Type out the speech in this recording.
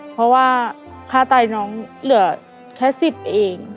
เพราะว่าค่าไตน้องเหลือแค่๑๐เอง